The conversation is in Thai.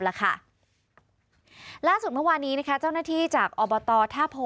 ล่าสุดเมื่อวานนี้เจ้าหน้าที่จากอบตทภ